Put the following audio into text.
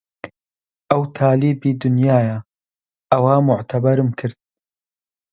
ئەو تالیبی دونیایە ئەوا موعتەبەرم کرد